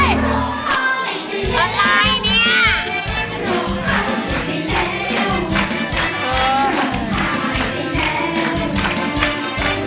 หนูเข้าไปไหนเนี่ย